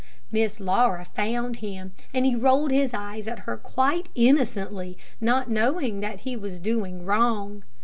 Miss Laura found him, and he rolled his eyes at her quite innocently, not knowing that he was doing wrong.